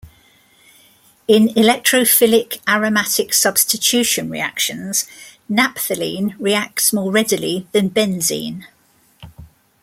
In electrophilic aromatic substitution reactions, naphthalene reacts more readily than benzene.